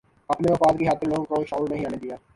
اپنے مفاد کی خاطرلوگوں کو شعور نہیں آنے دیا